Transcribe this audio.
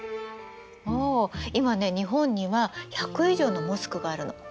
今ね日本には１００以上のモスクがあるの。